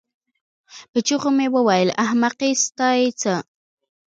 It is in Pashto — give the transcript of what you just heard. په چيغو مې وویل: احمقې ستا یې څه؟